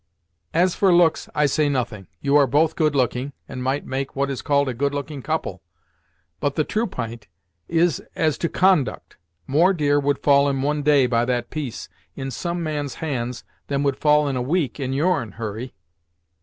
"As for looks, I say nothing. You are both good looking, and might make what is called a good looking couple. But the true p'int is as to conduct. More deer would fall in one day, by that piece, in some man's hands, than would fall in a week in your'n, Hurry!